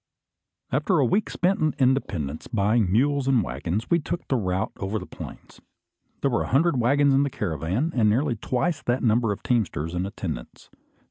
After a week spent in Independence buying mules and waggons, we took the route over the plains. There were a hundred waggons in the caravan, and nearly twice that number of teamsters and attendants.